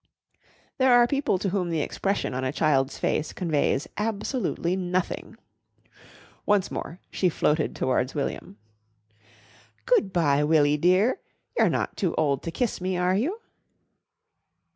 There are people to whom the expression on a child's face conveys absolutely nothing. Once more she floated towards William. "Good bye, Willy, dear. You're not too old to kiss me, are you?"